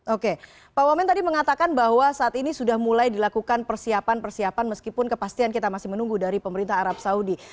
oke pak wamen tadi mengatakan bahwa saat ini sudah mulai dilakukan persiapan persiapan meskipun kepastian kita masih menunggu dari pemerintah arab saudi